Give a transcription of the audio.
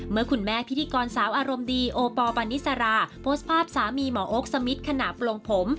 เมื่อคุณแม่พิธีกรสาวอารมณ์ดีโอปอลปานิสราโพสต์ภาพสามีหมอโอ๊คสมิทขณะปลงผม